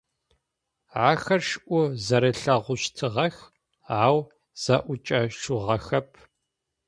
Ахэр шӏу зэрэлъэгъущтыгъэх, ау зэӏукӏэшъугъэхэп.